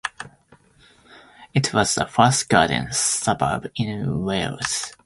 It was the first garden suburb in Wales.